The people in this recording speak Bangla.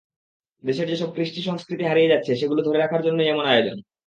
দেশের যেসব কৃষ্টি, সংস্কৃতি হারিয়ে যাচ্ছে সেগুলো ধরে রাখার জন্যই এমন আয়োজন।